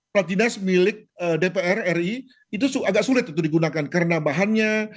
plat dinas milik dpr ri itu agak sulit untuk digunakan karena bahannya